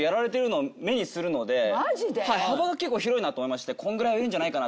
幅が結構広いなと思いましてこんぐらいいるんじゃないかな。